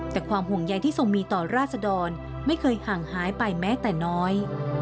แต่ความห่วงใยที่ทรงมีต่อราษดรไม่เคยห่างหายไปแม้แต่น้อย